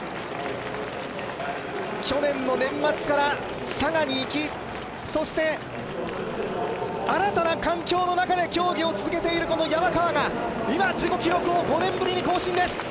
去年の年末から佐賀に行きそして新たな環境の中で競技を続けている山川が今、自己記録を５年ぶりに更新です。